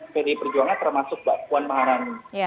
pdi perjuangan termasuk mbak puan maharani